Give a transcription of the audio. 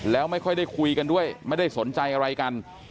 แล้วไม่ค่อยได้คุยกันด้วยไม่ได้สนใจอะไรกัน